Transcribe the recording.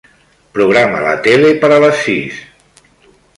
Programa la tele per a les sis.